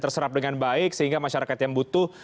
terserap dengan baik sehingga masyarakat yang butuh